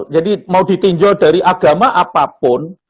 jadi mau ditinjau dari agama apapun